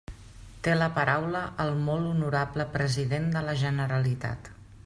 Té la paraula el molt honorable president de la Generalitat.